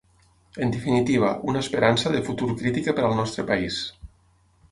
En definitiva, una esperança de futur crítica per al nostre país.